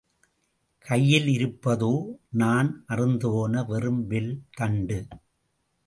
கையில் இருப்பதோ நாண் அறுந்தபோன வெறும் வில் தண்டு.